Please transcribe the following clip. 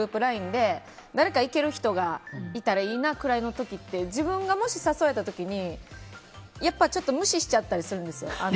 ＬＩＮＥで行ける人がいたらいいなくらいの時って自分がもし誘われた時にちょっと無視しちゃったりするんですよ。